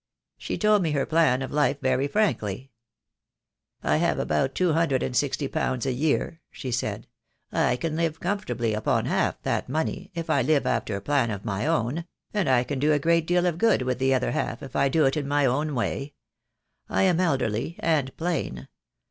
She told me her plan of life very frankly. 'I 248 THE DAY WILL COME. have about two hundred and sixty pounds a year,' she said; 'I can live comfortably upon half that money, if I live after a plan of my own; and I can do a great deal of good with the other half if I do it in my own way. I am elderly and plain.